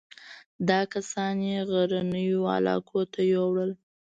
دا کسان یې غرنیو علاقو ته یووړل.